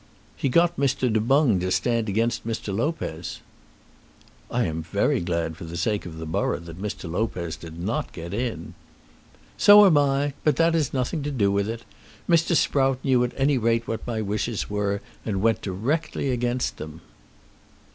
"He got Mr. Du Boung to stand against Mr. Lopez." "I am very glad for the sake of the borough that Mr. Lopez did not get in." "So am I. But that is nothing to do with it. Mr. Sprout knew at any rate what my wishes were, and went directly against them."